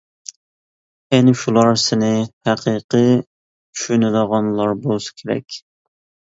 ئەنە شۇلار سېنى ھەقىقىي چۈشىنىدىغانلار بولسا كېرەك.